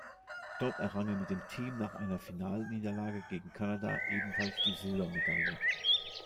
Dort errang er mit dem Team nach einer Finalniederlage gegen Kanada ebenfalls die Silbermedaille.